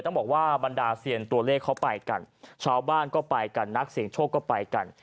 ต้องบอกว่าบรรดาเซียนตัวเลขเขาไปกันชาวบ้านก็ไปกันนักเสียงโชคก็ไปกัน